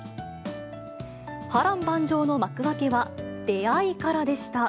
波乱万丈の幕開けは、出会いからでした。